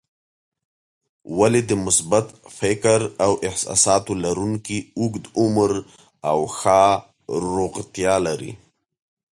ولې د مثبت فکر او احساساتو لرونکي اوږد عمر او ښه روغتیا لري؟